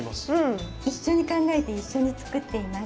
一緒に考えて一緒に作っています。